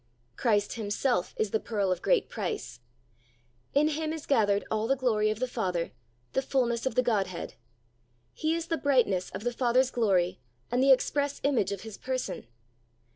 Christ Himself is the pearl of great price. In Him is gathered all the glory of the Father, the fulness of the Godhead. He is the brightness of the Father's glory and the express image of His person.